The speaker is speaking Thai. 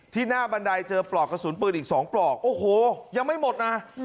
หน้าบันไดเจอปลอกกระสุนปืนอีก๒ปลอกโอ้โหยังไม่หมดนะ